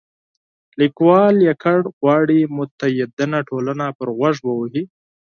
لیکوال یوازې غواړي متدینه ټولنه پر غوږ ووهي.